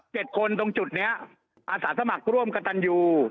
คนตรงจุดเนี้ยอาสาสมัครร่วมกับตันยู